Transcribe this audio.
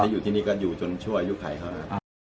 อยู่ที่นี่ก็อยู่จนชั่วอายุใครเขานะครับ